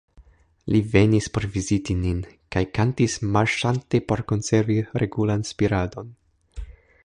Li venis por viziti nin, kaj kantis marŝante por konservi regulan spiradon.